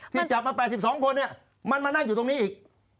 จับมา๘๒คนมันมานั่งอยู่ตรงนี้อีก